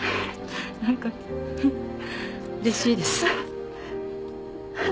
何かうれしいです。